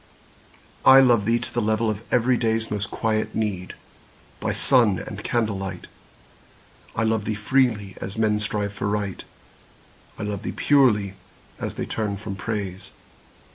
I love thee to the level of everyday's Most quiet need, by sun and candlelight. I love thee freely, as men strive for Right; I love thee purely, as they turn from Praise.